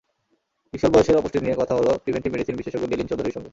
কিশোর বয়সের অপুষ্টি নিয়ে কথা হলো প্রিভেনটিভ মেডিসিন বিশেষজ্ঞ লেনিন চৌধুরীর সঙ্গে।